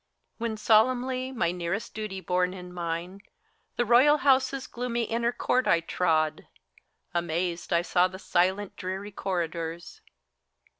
When solemnly, my nearest duty borne in mind, The Royal House's gloomy inner court I trod, Amazed I saw the silent, dreary corridors.